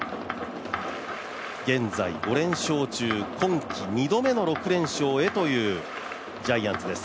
現在５連勝中、今季２度目の６連勝へというジャイアンツです。